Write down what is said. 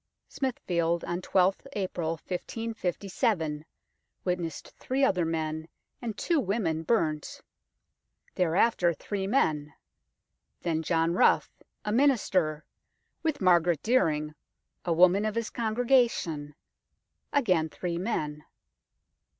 Smithfield, on I2th April 1557, witnessed three other men and two women burnt ; there after three men ; then John Rough, a minister, with Margaret Dealing, a woman of his con gregation ; again three men.